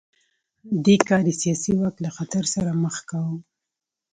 دې کار یې سیاسي واک له خطر سره مخ کاوه.